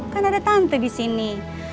kan ada tante disini